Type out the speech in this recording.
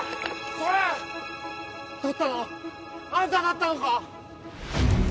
それとったのあんただったのか？